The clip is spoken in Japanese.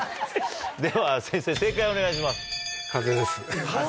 では先生正解をお願いします。